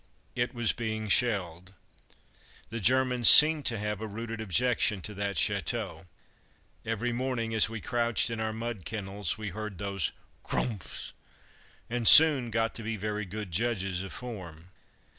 It was being shelled. The Germans seemed to have a rooted objection to that chateau. Every morning, as we crouched in our mud kennels, we heard those "Crumphs," and soon got to be very good judges of form.